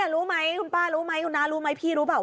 รู้ไหมคุณป้ารู้ไหมคุณน้ารู้ไหมพี่รู้เปล่า